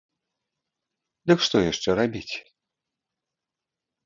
Дык што яшчэ рабіць?